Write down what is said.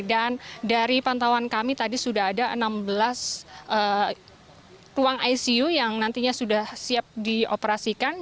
dan dari pantauan kami tadi sudah ada enam belas ruang icu yang nantinya sudah siap dioperasikan